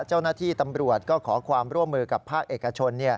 เจ้าหน้าที่ตำรวจก็ขอความร่วมมือกับภาคเอกชน